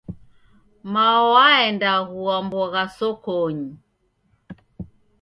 Mao waenda gua mbogha sokonyi.